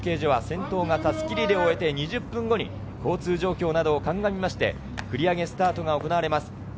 中継所では先頭が襷リレーを終えて２０分後に交通状況などをかんがみて繰り上げスタートが行われます。